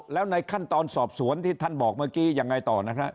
แล้วในขั้นตอนสอบสวนที่ท่านบอกเมื่อกี้ยังไงต่อนะฮะ